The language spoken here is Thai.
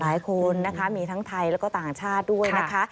หลายคนนะคะมีทั้งไทยแล้วก็ต่างชาติด้วยนะคะ